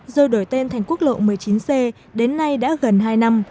rồi đổi tên thành quốc lộ một mươi chín c đến nay đã gần hai năm